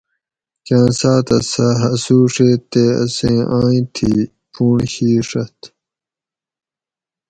کاۤں ساۤتہ سہ ہسوڛیت تے اسیں آۤئیں تھی پُھونڑ شی ڛت